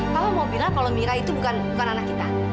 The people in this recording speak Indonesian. kalau mau bilang kalau mira itu bukan anak kita